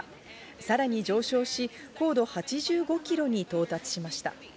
さらに上昇し、高度８５ｋｍに到着しました。